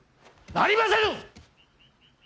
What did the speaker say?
なりませぬ！